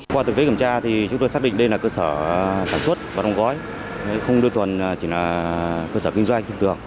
qua thực tế kiểm tra chúng tôi xác định đây là cơ sở sản xuất và đóng gói không đối tuần chỉ là cơ sở kinh doanh tương tượng